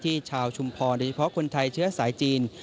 ชาวชุมพรโดยเฉพาะคนไทยเชื้อสายจีน